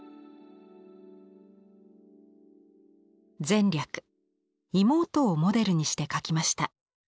「前略妹をモデルにして描きました。